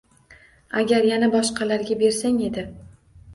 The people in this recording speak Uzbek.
Agar yana boshqalarga bersang edi